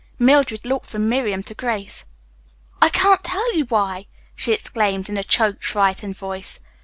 Mildred looked from Miriam to Grace. "I can't tell you why!" she exclaimed in a choked, frightened voice.